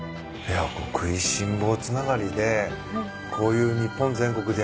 いや『くいしん坊』つながりでこういう日本全国